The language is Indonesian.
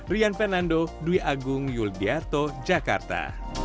rian fernando dwi agung yul ghiarto jakarta